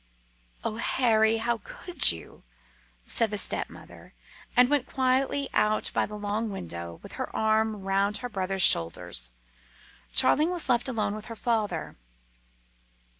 "Oh, Harry! how could you?" said the stepmother, and went quietly out by the long window with her arm round her brother's shoulders. Charling was left alone with her father.